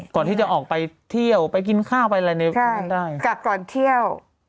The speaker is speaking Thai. ก่อนที่จะออกไปเที่ยวไปกินข้าวไปอะไรยังไงไม่ได้ใช่กากก่อนเที่ยว